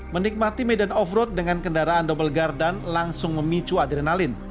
menikmati medan off road dengan kendaraan double guardan langsung memicu adrenalin